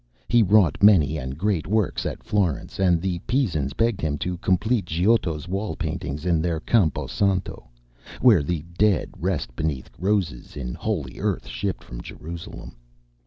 He wrought many and great works at Florence; and the Pisans begged him to complete Giotto's wall paintings in their Campo Santo, where the dead rest beneath roses in holy earth shipped from Jerusalem.